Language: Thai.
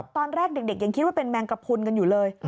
ตอนแรกเด็กยังคิดว่าเป็นแมงกระพุนกันอยู่เลย